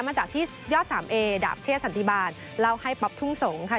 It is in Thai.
มาจากที่ยอดสามเอดาบเช่สันติบาลเล่าให้ป๊อปทุ่งสงฆ์ค่ะ